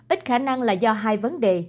ít khả năng là do hai vấn đề